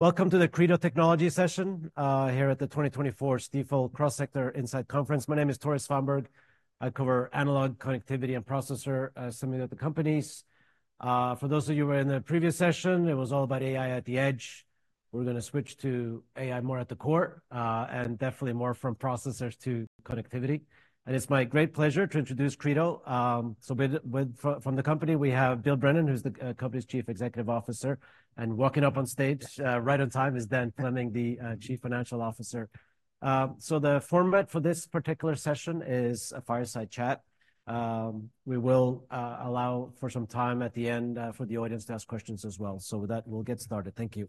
Welcome to the Credo Technology session here at the 2024 Stifel Cross Sector Insight Conference. My name is Tore Svanberg. I cover analog, connectivity, and processors, some of the other companies. For those of you who were in the previous session, it was all about AI at the edge. We're gonna switch to AI more at the core and definitely more from processors to connectivity. It's my great pleasure to introduce Credo. So from the company, we have Bill Brennan, who's the company's Chief Executive Officer, and walking up on stage right on time is Dan Fleming, the Chief Financial Officer. So the format for this particular session is a fireside chat. We will allow for some time at the end for the audience to ask questions as well. So with that, we'll get started. Thank you.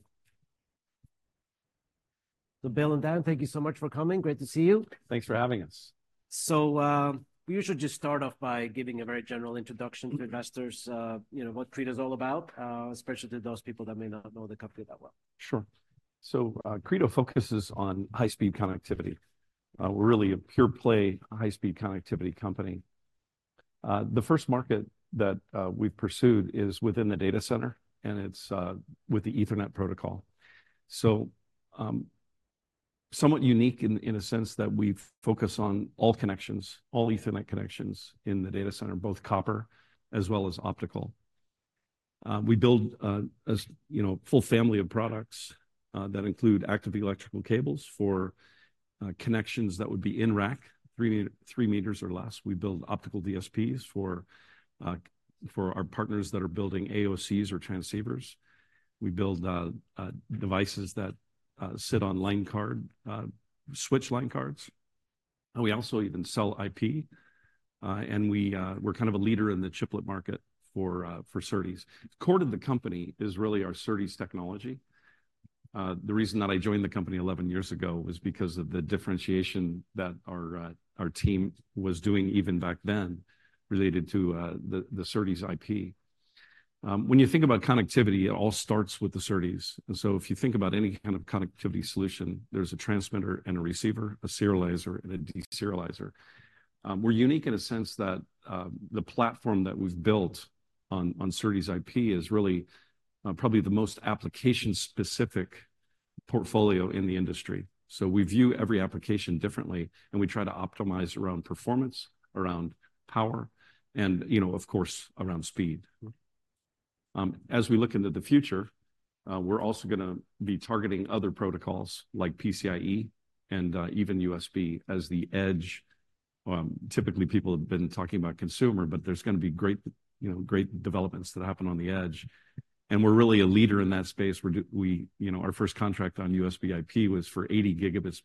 So Bill and Dan, thank you so much for coming. Great to see you! Thanks for having us. We usually just start off by giving a very general introduction. Mm-hmm. to investors, you know, what Credo's all about, especially to those people that may not know the company that well. Sure. So, Credo focuses on high-speed connectivity. We're really a pure-play, high-speed connectivity company. The first market that we've pursued is within the data center, and it's with the Ethernet protocol. So, somewhat unique in a sense that we focus on all connections, all Ethernet connections in the data center, both copper as well as optical. We build, as you know, a full family of products that include active electrical cables for connections that would be in-rack, 3 meters or less. We build optical DSPs for our partners that are building AOCs or transceivers. We build devices that sit on line card switch line cards, and we also even sell IP. We're kind of a leader in the chiplet market for SerDes. The core to the company is really our SerDes technology. The reason that I joined the company 11 years ago was because of the differentiation that our our team was doing even back then, related to the SerDes IP. When you think about connectivity, it all starts with the SerDes. And so if you think about any kind of connectivity solution, there's a transmitter and a receiver, a serializer and a deserializer. We're unique in a sense that the platform that we've built on SerDes IP is really probably the most application-specific portfolio in the industry. So we view every application differently, and we try to optimize around performance, around power, and, you know, of course, around speed. As we look into the future, we're also gonna be targeting other protocols like PCIe and even USB as the edge. Typically, people have been talking about consumer, but there's gonna be great, you know, great developments that happen on the edge, and we're really a leader in that space, you know, our first contract on USB IP was for 80 Gbps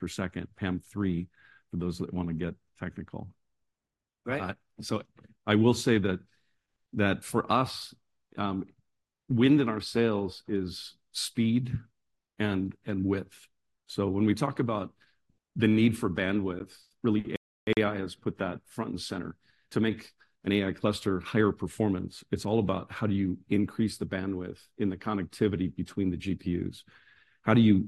PAM3, for those that want to get technical. Great. So I will say that for us, wind in our sails is speed and width. So when we talk about the need for bandwidth, really, AI has put that front and center. To make an AI cluster higher performance, it's all about: How do you increase the bandwidth in the connectivity between the GPUs? How do you,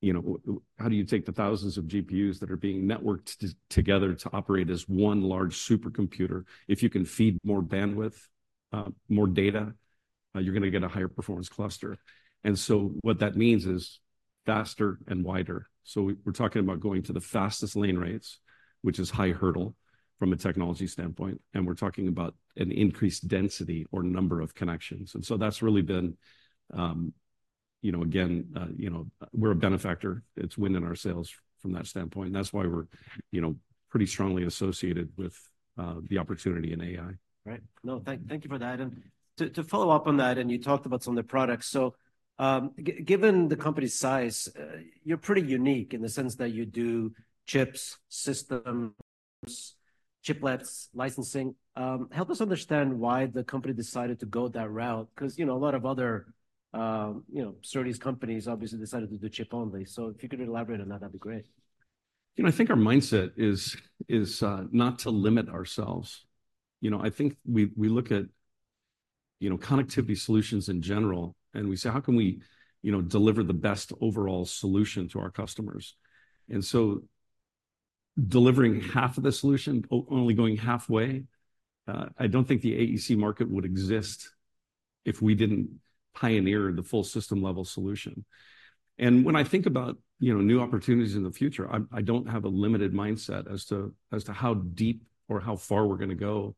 you know, how do you take the thousands of GPUs that are being networked together to operate as one large supercomputer? If you can feed more bandwidth, more data, you're gonna get a higher performance cluster. And so what that means is faster and wider. So we're talking about going to the fastest lane rates, which is high hurdle from a technology standpoint, and we're talking about an increased density or number of connections. And so that's really been, you know, again, you know, we're a beneficiary. It's wind in our sails from that standpoint, and that's why we're, you know, pretty strongly associated with the opportunity in AI. Right. No, thank, thank you for that. And to, to follow up on that, and you talked about some of the products, so, given the company's size, you're pretty unique in the sense that you do chips, systems, chiplets, licensing. Help us understand why the company decided to go that route, because, you know, a lot of other, you know, SerDes companies obviously decided to do chip only. So if you could elaborate on that, that'd be great. You know, I think our mindset is, uh, not to limit ourselves. You know, I think we look at, you know, connectivity solutions in general, and we say: How can we, you know, deliver the best overall solution to our customers? And so, delivering half of the solution, only going halfway, I don't think the AEC market would exist if we didn't pioneer the full system-level solution. And when I think about, you know, new opportunities in the future, I don't have a limited mindset as to how deep or how far we're gonna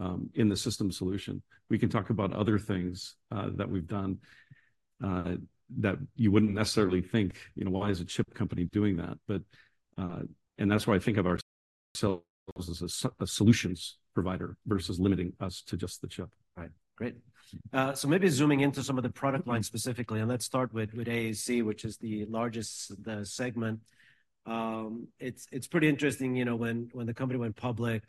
go, in the system solution. We can talk about other things, that we've done, that you wouldn't necessarily think, you know, why is a chip company doing that? But... That's why I think of ourselves as a solutions provider versus limiting us to just the chip. Right. Great. So maybe zooming into some of the product lines specifically, and let's start with AEC, which is the largest segment. It's pretty interesting, you know, when the company went public,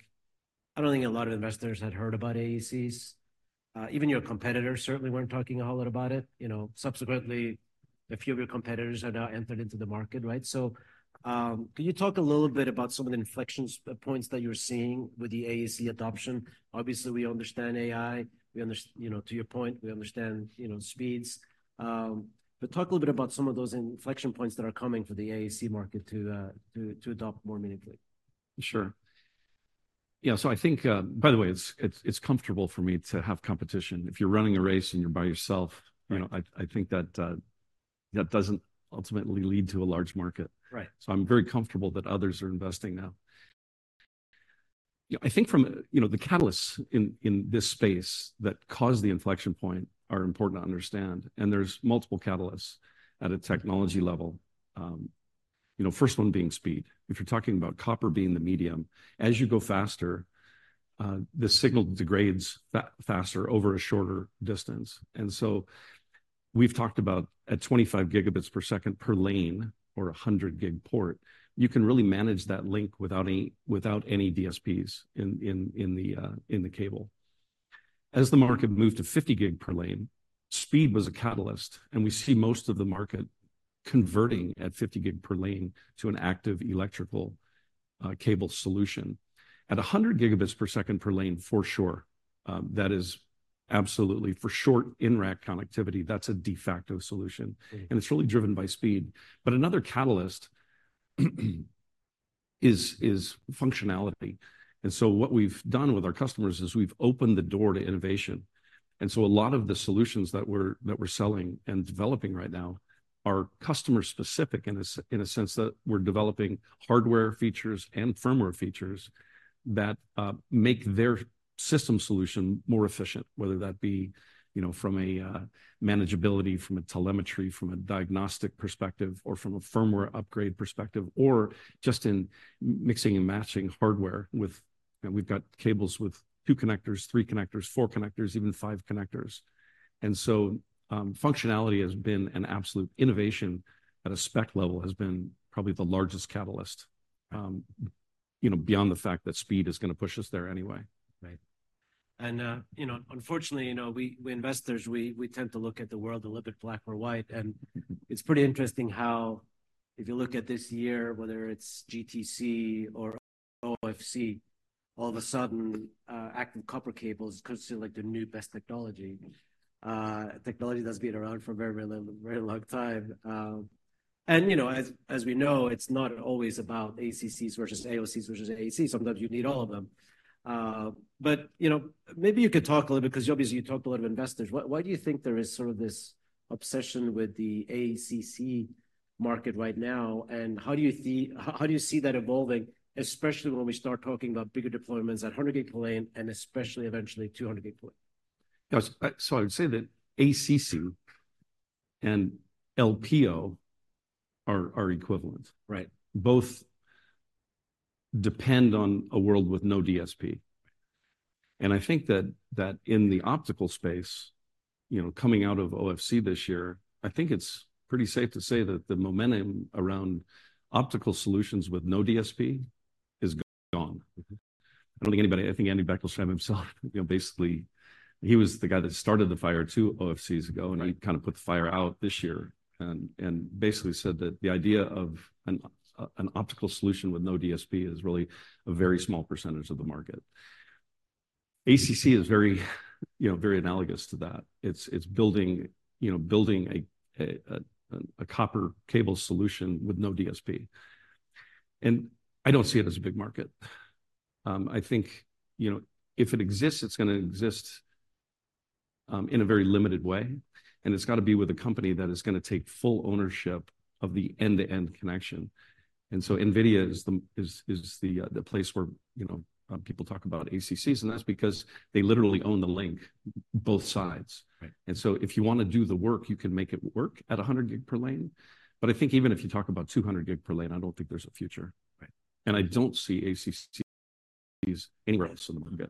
I don't think a lot of investors had heard about AECs. Even your competitors certainly weren't talking a whole lot about it. You know, subsequently, a few of your competitors have now entered into the market, right? So, can you talk a little bit about some of the inflection points that you're seeing with the AEC adoption? Obviously, we understand AI. You know, to your point, we understand, you know, speeds. But talk a little bit about some of those inflection points that are coming for the AEC market to adopt more meaningfully. Sure.... Yeah, so I think, by the way, it's, it's, it's comfortable for me to have competition. If you're running a race and you're by yourself- Right. You know, I, I think that that doesn't ultimately lead to a large market. Right. So I'm very comfortable that others are investing now. You know, I think from, you know, the catalysts in, in this space that caused the inflection point are important to understand, and there's multiple catalysts at a technology level. You know, first one being speed. If you're talking about copper being the medium, as you go faster, the signal degrades faster over a shorter distance. And so we've talked about at 25 gigabits per second per lane, or a 100 gig port, you can really manage that link without any, without any DSPs in, in, in the, in the cable. As the market moved to 50 gig per lane, speed was a catalyst, and we see most of the market converting at 50 gig per lane to an active electrical cable solution. At 100 Gbps per lane, for sure, that is absolutely, for short, in-rack connectivity, that's a de facto solution. Mm. It's really driven by speed. But another catalyst is functionality. And so what we've done with our customers is we've opened the door to innovation. And so a lot of the solutions that we're selling and developing right now are customer-specific in a sense that we're developing hardware features and firmware features that make their system solution more efficient, whether that be, you know, from a manageability, from a telemetry, from a diagnostic perspective, or from a firmware upgrade perspective, or just in mixing and matching hardware with... You know, we've got cables with two connectors, three connectors, four connectors, even five connectors. And so functionality has been an absolute innovation at a spec level, has been probably the largest catalyst, you know, beyond the fact that speed is going to push us there anyway. Right. And, you know, unfortunately, you know, we investors, we tend to look at the world a little bit black or white. Mm-hmm. And it's pretty interesting how, if you look at this year, whether it's GTC or OFC, all of a sudden, active copper cables consider like the new best technology, technology that's been around for a very, very long, very long time. And, you know, as, as we know, it's not always about ACCs versus AOCs versus AC. Sometimes you need all of them. But, you know, maybe you could talk a little bit, because obviously, you talked a lot of investors. Why, why do you think there is sort of this obsession with the ACC market right now, and how, how do you see that evolving, especially when we start talking about bigger deployments at 100 gig per lane and especially eventually, 200 gig deployment? Yeah, so I would say that ACC and LPO are equivalent. Right. Both depend on a world with no DSP. And I think that in the optical space, you know, coming out of OFC this year, I think it's pretty safe to say that the momentum around optical solutions with no DSP is gone. I don't think anybody. I think Andy Bechtolsheim himself, you know, basically, he was the guy that started the fire two OFCs ago- Right. and he kind of put the fire out this year and basically said that the idea of an optical solution with no DSP is really a very small percentage of the market. ACC is very, you know, very analogous to that. It's building, you know, building a copper cable solution with no DSP. And I don't see it as a big market. I think, you know, if it exists, it's gonna exist in a very limited way, and it's got to be with a company that is gonna take full ownership of the end-to-end connection. And so NVIDIA is the place where, you know, people talk about ACCs, and that's because they literally own the link, both sides. Right. And so if you want to do the work, you can make it work at 100 gig per lane. But I think even if you talk about 200 gig per lane, I don't think there's a future. Right. I don't see ACCs anywhere else in the market.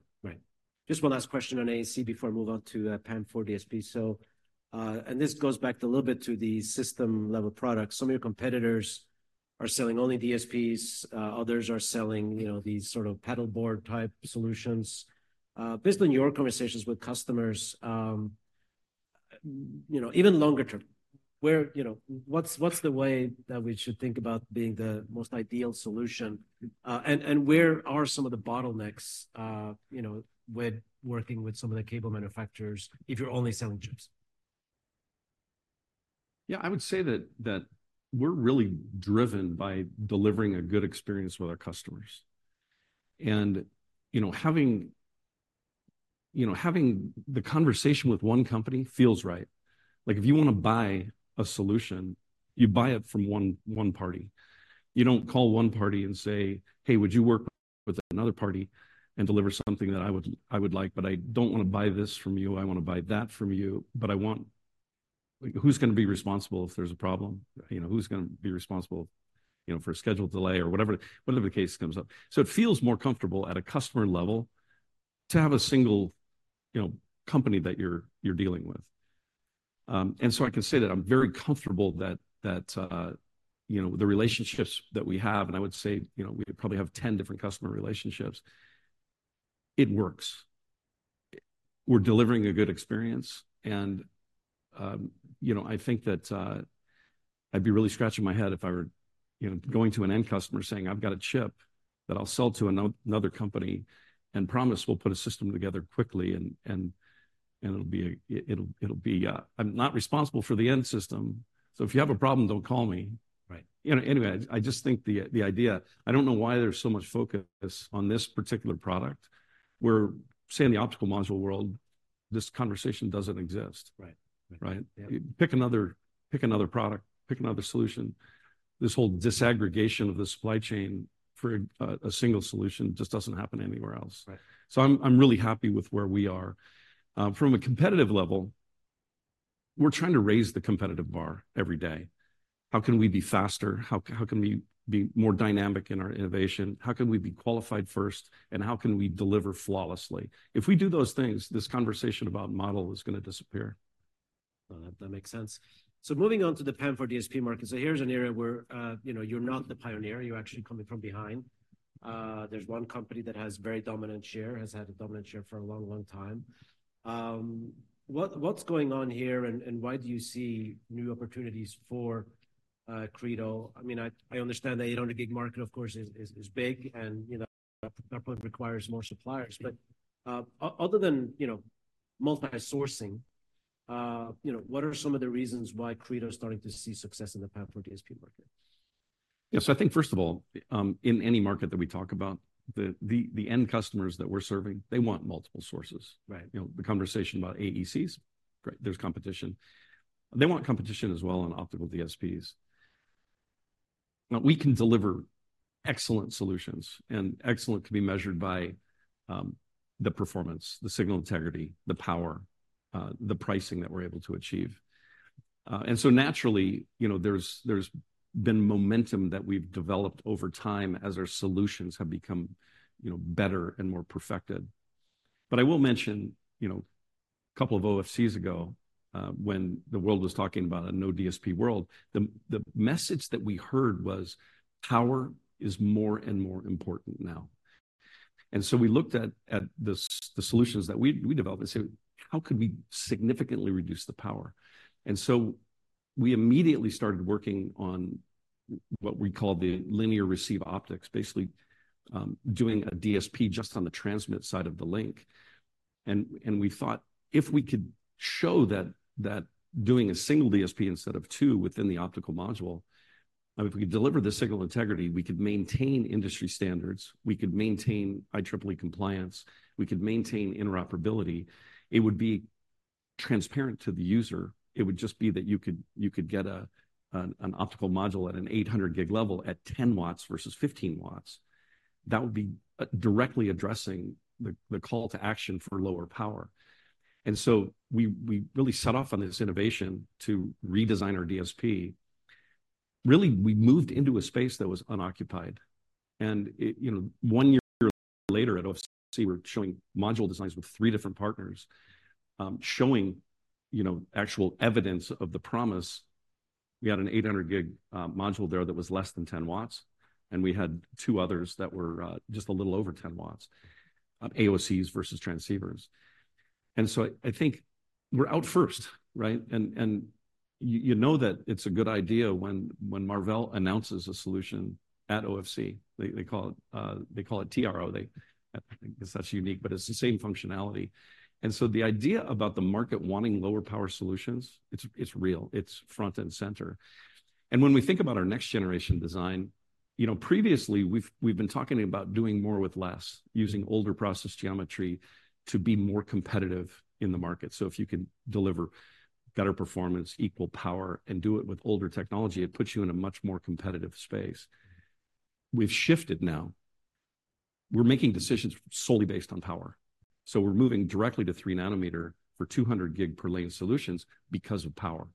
Right. Just one last question on ACC before I move on to PAM4 DSP. So, and this goes back a little bit to the system-level product. Some of your competitors are selling only DSPs, others are selling, you know, these sort of paddle board-type solutions. Based on your conversations with customers, you know, even longer term, where, you know, what's, what's the way that we should think about being the most ideal solution? And, and where are some of the bottlenecks, you know, when working with some of the cable manufacturers if you're only selling chips? Yeah, I would say that we're really driven by delivering a good experience with our customers. And, you know, having the conversation with one company feels right. Like, if you want to buy a solution, you buy it from one party. You don't call one party and say, "Hey, would you work with another party and deliver something that I would like, but I don't want to buy this from you. I want to buy that from you, but I want..." Like, who's going to be responsible if there's a problem? You know, who's going to be responsible, you know, for a schedule delay or whatever the case comes up. So it feels more comfortable at a customer level to have a single, you know, company that you're dealing with. And so I can say that I'm very comfortable that, that, you know, the relationships that we have, and I would say, you know, we probably have 10 different customer relationships, it works. We're delivering a good experience, and, you know, I think that, I'd be really scratching my head if I were, you know, going to an end customer saying, "I've got a chip that I'll sell to another company, and promise we'll put a system together quickly, and, and, and it'll be, it'll, it'll be, I'm not responsible for the end system."... So if you have a problem, don't call me. Right. You know, anyway, I just think the idea, I don't know why there's so much focus on this particular product. Where, say, in the optical module world, this conversation doesn't exist. Right. Right? Yeah. Pick another, pick another product, pick another solution. This whole disaggregation of the supply chain for a single solution just doesn't happen anywhere else. Right. So I'm really happy with where we are. From a competitive level, we're trying to raise the competitive bar every day. How can we be faster? How can we be more dynamic in our innovation? How can we be qualified first, and how can we deliver flawlessly? If we do those things, this conversation about model is going to disappear. Well, that makes sense. So moving on to the PAM4 DSP market. So here's an area where, you know, you're not the pioneer, you're actually coming from behind. There's one company that has very dominant share, has had a dominant share for a long, long time. What's going on here, and why do you see new opportunities for Credo? I mean, I understand the 800G market, of course, is big and, you know, that probably requires more suppliers. But, other than, you know, multi-sourcing, you know, what are some of the reasons why Credo is starting to see success in the PAM4 DSP market? Yeah, so I think, first of all, in any market that we talk about, the end customers that we're serving, they want multiple sources, right? You know, the conversation about AECs, right, there's competition. They want competition as well on optical DSPs. Now, we can deliver excellent solutions, and excellent can be measured by the performance, the signal integrity, the power, the pricing that we're able to achieve. And so naturally, you know, there's been momentum that we've developed over time as our solutions have become, you know, better and more perfected. But I will mention, you know, a couple of OFCs ago, when the world was talking about a no-DSP world, the message that we heard was, "Power is more and more important now." And so we looked at the solutions that we developed and said, "How could we significantly reduce the power?" And so we immediately started working on what we call the linear receive optics, basically, doing a DSP just on the transmit side of the link. And we thought if we could show that doing a single DSP instead of two within the optical module, if we could deliver the signal integrity, we could maintain industry standards, we could maintain IEEE compliance, we could maintain interoperability. It would be transparent to the user. It would just be that you could get an optical module at an 800 gig level at 10 watts versus 15 watts. That would be directly addressing the call to action for lower power. And so we really set off on this innovation to redesign our DSP. Really, we moved into a space that was unoccupied. And it, you know, one year later at OFC, we're showing module designs with 3 different partners, showing, you know, actual evidence of the promise. We had an 800 gig module there that was less than 10 watts, and we had two others that were just a little over 10 watts, AOCs versus transceivers. And so I think we're out first, right? And you know that it's a good idea when Marvell announces a solution at OFC. They call it TRO. They I guess that's unique, but it's the same functionality. And so the idea about the market wanting lower-power solutions, it's real, it's front and center. And when we think about our next-generation design, you know, previously, we've been talking about doing more with less, using older process geometry to be more competitive in the market. So if you can deliver better performance, equal power, and do it with older technology, it puts you in a much more competitive space. We've shifted now. We're making decisions solely based on power. So we're moving directly to 3-nanometer for 200 gig per lane solutions because of power.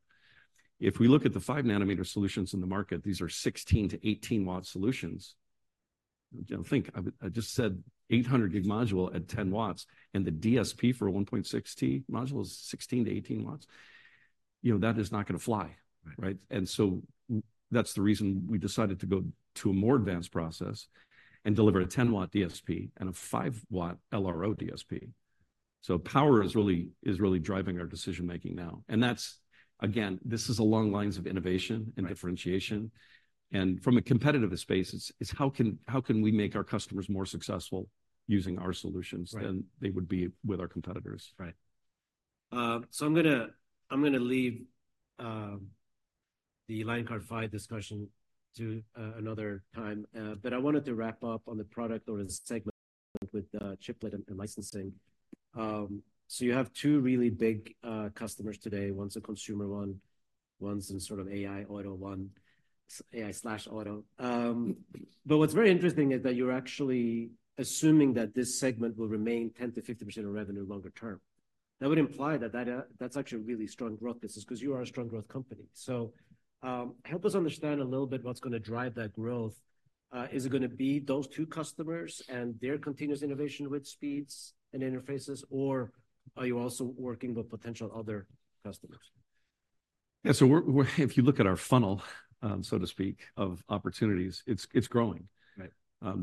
If we look at the 5-nanometer solutions in the market, these are 16-18-watt solutions. You know, I just said 800 gig module at 10 watts, and the DSP for a 1.6 T module is 16-18 watts. You know, that is not going to fly. Right. Right? And so that's the reason we decided to go to a more advanced process and deliver a 10-watt DSP and a five-watt LRO DSP. So power is really, is really driving our decision-making now. And that's, again, this is along the lines of innovation. Right... and differentiation. From a competitive space, it's how can we make our customers more successful using our solutions. Right... than they would be with our competitors? Right. So I'm going to leave the Line Card PHY discussion to another time, but I wanted to wrap up on the product or the segment with chiplet and licensing. So you have two really big customers today. One's a consumer one, one's a sort of AI auto one, AI/auto. But what's very interesting is that you're actually assuming that this segment will remain 10%-50% of revenue longer term. That would imply that that's actually a really strong growth business, because you are a strong growth company. So help us understand a little bit what's going to drive that growth. Is it going to be those two customers and their continuous innovation with speeds and interfaces, or are you also working with potential other customers? Yeah, so we're, if you look at our funnel, so to speak, of opportunities, it's growing. Right.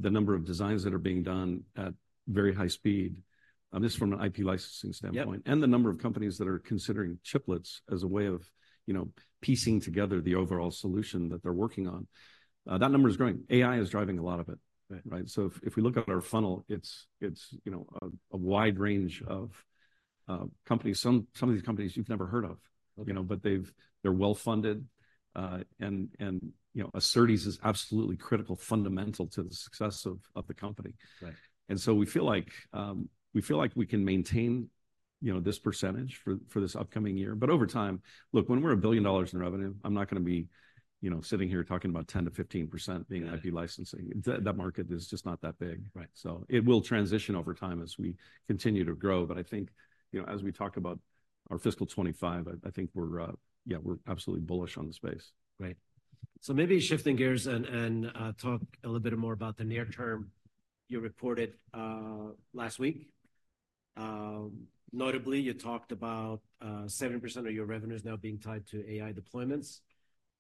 The number of designs that are being done at very high speed, just from an IP licensing standpoint- Yep... and the number of companies that are considering chiplets as a way of, you know, piecing together the overall solution that they're working on, that number is growing. AI is driving a lot of it. Right. Right? So if we look at our funnel, it's you know, a wide range of companies. Some of these companies you've never heard of- Okay... you know, but they're well-funded. And you know, Arista is absolutely critical, fundamental to the success of the company. Right. We feel like we can maintain, you know, this percentage for this upcoming year. But over time, look, when we're $1 billion in revenue, I'm not going to be, you know, sitting here talking about 10%-15% being IP licensing. That market is just not that big. Right. So it will transition over time as we continue to grow. But I think, you know, as we talk about our fiscal 25, I, I think we're, yeah, we're absolutely bullish on the space. Great. So maybe shifting gears and talk a little bit more about the near term. You reported last week, notably, you talked about 70% of your revenue is now being tied to AI deployments.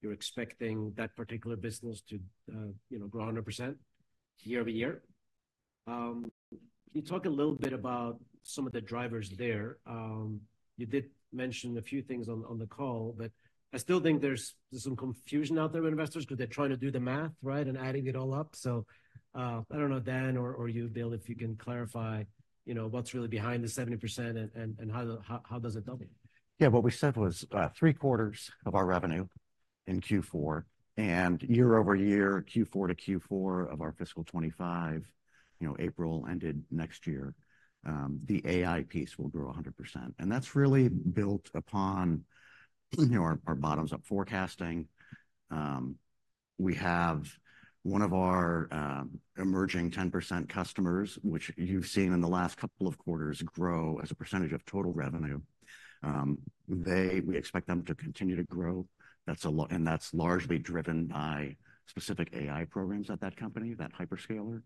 You're expecting that particular business to, you know, grow 100% year-over-year. Can you talk a little bit about some of the drivers there? You did mention a few things on the call, but I still think there's some confusion out there with investors because they're trying to do the math, right? And adding it all up. So, I don't know, Dan or you, Bill, if you can clarify, you know, what's really behind the 70% and how does it double? Yeah, what we said was, three-quarters of our revenue in Q4, and year-over-year, Q4 to Q4 of our fiscal 2025, you know, April-ended next year, the AI piece will grow 100%. And that's really built upon, you know, our, our bottoms-up forecasting. We have one of our, emerging 10% customers, which you've seen in the last couple of quarters, grow as a percentage of total revenue. They—we expect them to continue to grow. That's a—and that's largely driven by specific AI programs at that company, that hyperscaler.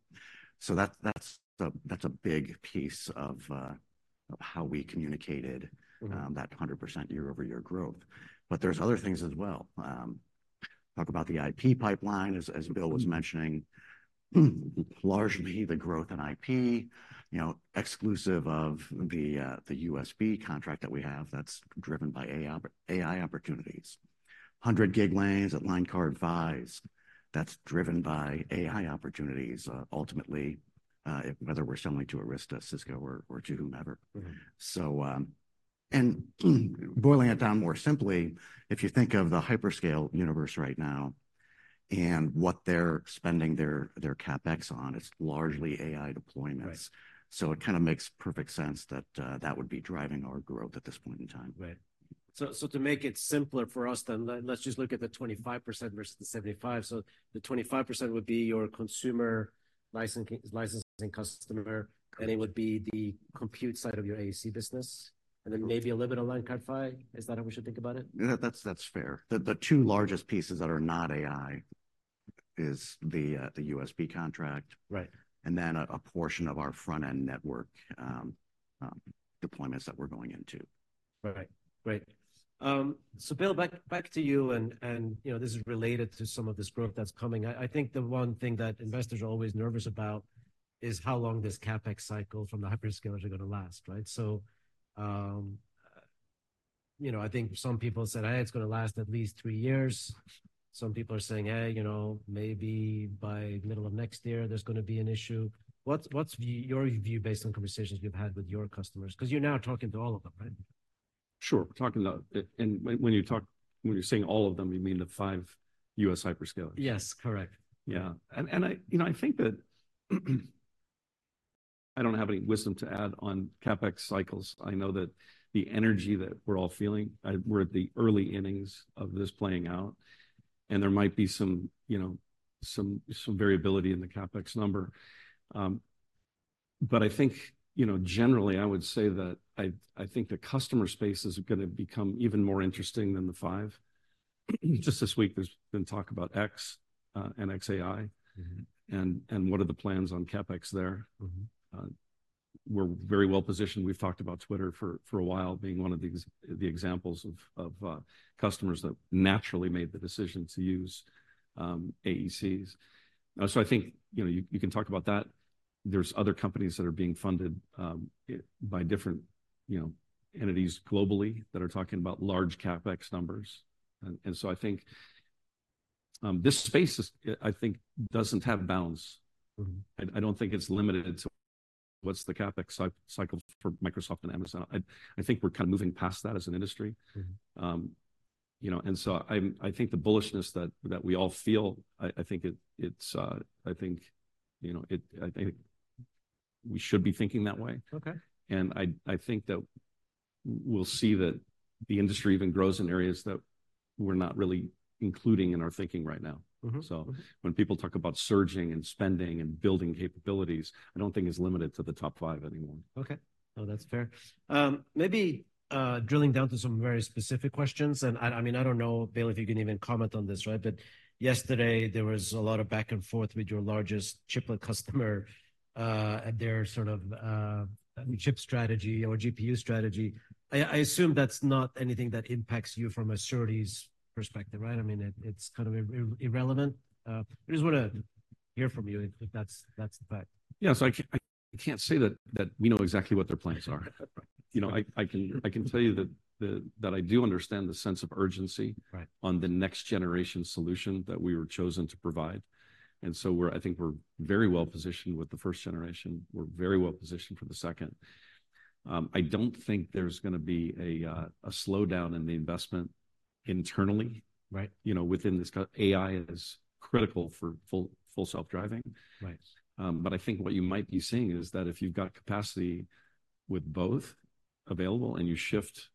So that's, that's a, that's a big piece of, of how we communicated. Mm-hmm. that 100% year-over-year growth. But there's other things as well. Talk about the IP pipeline, as Bill was mentioning. Largely, the growth in IP, you know, exclusive of the, the USB contract that we have, that's driven by AI, AI opportunities. 100 gig lanes at Line Card PHYs, that's driven by AI opportunities, ultimately, whether we're selling to Arista, Cisco, or to whomever. Mm-hmm. So, boiling it down more simply, if you think of the hyperscale universe right now and what they're spending their, their CapEx on, it's largely AI deployments. Right. So it kind of makes perfect sense that, that would be driving our growth at this point in time. Right. So, to make it simpler for us, then let's just look at the 25% versus the 75. So the 25% would be your consumer licensing, licensing customer- Correct. It would be the compute side of your AEC business, and then maybe a little bit of Line Card PHY. Is that how we should think about it? Yeah, that's, that's fair. The two largest pieces that are not AI is the USB contract- Right... and then a portion of our front-end network deployments that we're going into. Right. Great. So Bill, back, back to you, and you know, this is related to some of this growth that's coming. I think the one thing that investors are always nervous about is how long this CapEx cycle from the hyperscalers are going to last, right? So, you know, I think some people said, "Hey, it's going to last at least three years." Some people are saying, "Hey, you know, maybe by middle of next year, there's going to be an issue." What's your view based on conversations you've had with your customers? Because you're now talking to all of them, right? Sure. We're talking about, and when you talk, when you're saying all of them, you mean the five US hyperscalers? Yes, correct. Yeah. You know, I think that I don't have any wisdom to add on CapEx cycles. I know that the energy that we're all feeling. We're at the early innings of this playing out, and there might be some, you know, variability in the CapEx number. But I think, you know, generally, I would say that I think the customer space is going to become even more interesting than the five. Just this week, there's been talk about X and xAI- Mm-hmm... and what are the plans on CapEx there? Mm-hmm. We're very well positioned. We've talked about Twitter for a while being one of these, the examples of customers that naturally made the decision to use AECs. So I think, you know, you can talk about that. There's other companies that are being funded by different, you know, entities globally that are talking about large CapEx numbers. So I think this space, I think, doesn't have bounds. Mm-hmm. I don't think it's limited to what's the CapEx cycle for Microsoft and Amazon. I think we're kind of moving past that as an industry. Mm-hmm. You know, and so I think the bullishness that we all feel, I think it's, you know, I think we should be thinking that way. Okay. I think that we'll see that the industry even grows in areas that we're not really including in our thinking right now. Mm-hmm. Mm-hmm. When people talk about surging and spending and building capabilities, I don't think it's limited to the top five anymore. Okay. No, that's fair. Maybe drilling down to some very specific questions, and I mean, I don't know, Bill, if you can even comment on this, right? But yesterday, there was a lot of back and forth with your largest chiplet customer at their chip strategy or GPU strategy. I assume that's not anything that impacts you from a Credo's perspective, right? I mean, it's kind of irrelevant. I just want to hear from you if that's the fact. Yeah, so I can't say that we know exactly what their plans are. You know, I can tell you that I do understand the sense of urgency. Right... on the next generation solution that we were chosen to provide. And so I think we're very well positioned with the first generation. We're very well positioned for the second. I don't think there's going to be a slowdown in the investment... internally- Right You know, within this, AI is critical for full, full self-driving. Right. But I think what you might be seeing is that if you've got capacity with both available and you shift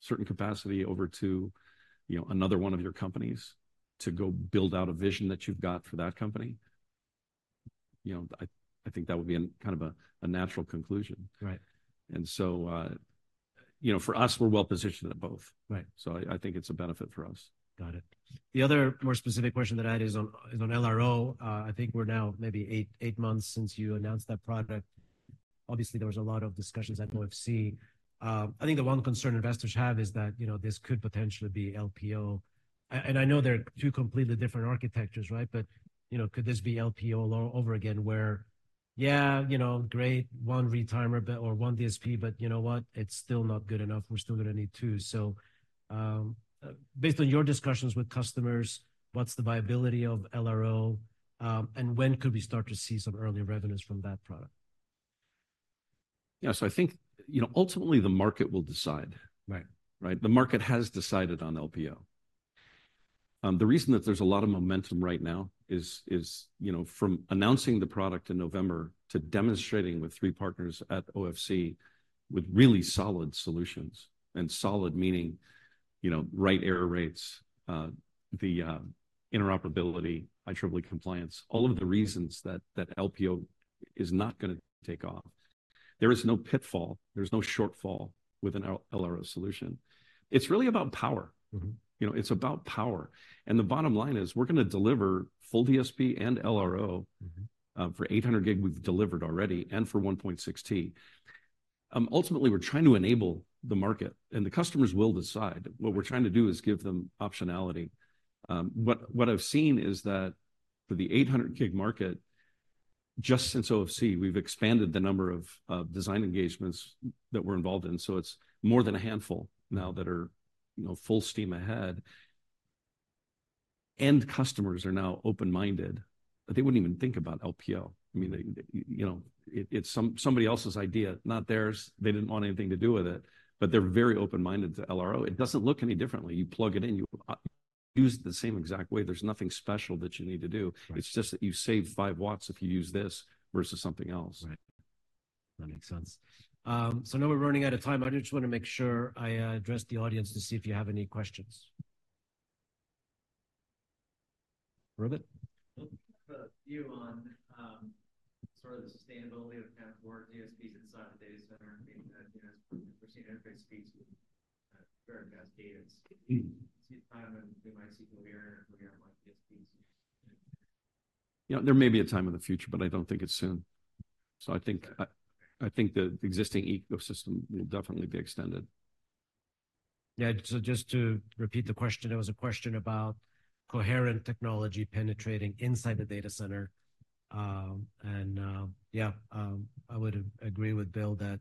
certain capacity over to, you know, another one of your companies to go build out a vision that you've got for that company, you know, I think that would be a kind of natural conclusion. Right. And so, you know, for us, we're well positioned at both. Right. So I think it's a benefit for us. Got it. The other more specific question that I had is on LRO. I think we're now maybe 8 months since you announced that product. Obviously, there was a lot of discussions at OFC. I think the one concern investors have is that, you know, this could potentially be LPO. And I know they're two completely different architectures, right? But, you know, could this be LPO all over again, where, yeah, you know, great, one retimer or one DSP, but you know what? It's still not good enough. We're still gonna need two. So, based on your discussions with customers, what's the viability of LRO, and when could we start to see some early revenues from that product? Yeah, so I think, you know, ultimately the market will decide. Right. Right? The market has decided on LPO. The reason that there's a lot of momentum right now is, you know, from announcing the product in November to demonstrating with 3 partners at OFC with really solid solutions, and solid meaning, you know, right error rates, the interoperability, IEEE compliance, all of the reasons that LPO is not gonna take off. There is no pitfall, there's no shortfall with an LRO solution. It's really about power. Mm-hmm. You know, it's about power, and the bottom line is we're gonna deliver full DSP and LRO- Mm-hmm... for 800 gig we've delivered already, and for 1.6 T. Ultimately, we're trying to enable the market, and the customers will decide. What we're trying to do is give them optionality. What, what I've seen is that for the 800 gig market, just since OFC, we've expanded the number of, of design engagements that we're involved in, so it's more than a handful now that are, you know, full steam ahead. End customers are now open-minded, but they wouldn't even think about LPO. I mean, they, you know, it, it's somebody else's idea, not theirs. They didn't want anything to do with it, but they're very open-minded to LRO. It doesn't look any differently. You plug it in, you use it the same exact way. There's nothing special that you need to do. Right. It's just that you save 5 W if you use this versus something else. Right. That makes sense. So I know we're running out of time. I just want to make sure I address the audience to see if you have any questions. Robert? The view on, sort of the sustainability of kind of more DSPs inside the data center, you know, we're seeing interface speeds with very fast data. So you kind of they might see coherent, coherent like DSPs. You know, there may be a time in the future, but I don't think it's soon. So I think, I think the existing ecosystem will definitely be extended. Yeah, so just to repeat the question, it was a question about coherent technology penetrating inside the data center. And yeah, I would agree with Bill that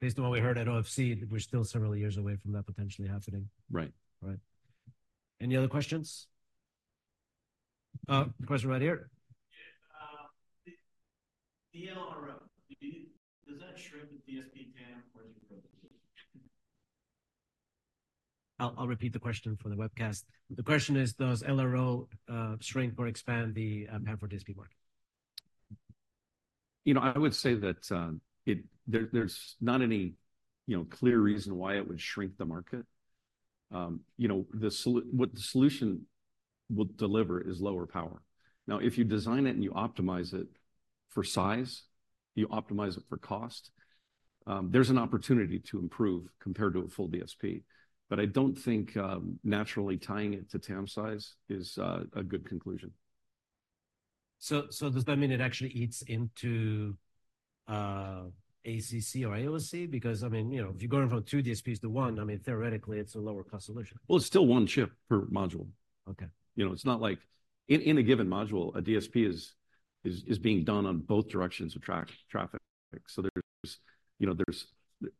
based on what we heard at OFC, we're still several years away from that potentially happening. Right. Right. Any other questions? A question right here. Yeah, the LRO, does that shrink the DSP TAM or does it grow? I'll, I'll repeat the question for the webcast. The question is, does LRO shrink or expand the PAM4 DSP market? You know, I would say that, there's not any, you know, clear reason why it would shrink the market. You know, what the solution would deliver is lower power. Now, if you design it and you optimize it for size, you optimize it for cost, there's an opportunity to improve compared to a full DSP. But I don't think, naturally tying it to TAM size is, a good conclusion. So, does that mean it actually eats into ACC or AOC? Because, I mean, you know, if you're going from two DSPs to one, I mean, theoretically, it's a lower-cost solution. Well, it's still one chip per module. Okay. You know, it's not like, in a given module, a DSP is being done on both directions of traffic. So you know,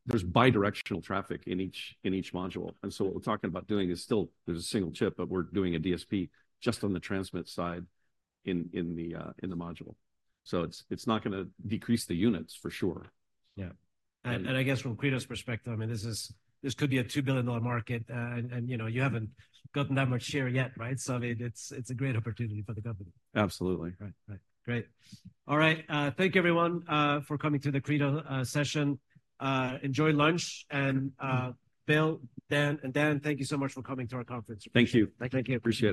there's bidirectional traffic in each module. And so what we're talking about doing is still, there's a single chip, but we're doing a DSP just on the transmit side in the module. So it's not gonna decrease the units for sure. Yeah. And- And I guess from Credo's perspective, I mean, this is, this could be a $2 billion market, and you know, you haven't gotten that much share yet, right? So I mean, it's, it's a great opportunity for the company. Absolutely. Right. Right. Great. All right, thank everyone for coming to the Credo session. Enjoy lunch and, Bill, Dan, and Dan, thank you so much for coming to our conference. Thank you. Thank you. Appreciate it.